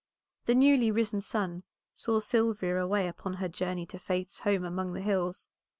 The newly risen sun saw Sylvia away upon her journey to Faith's home among the hills.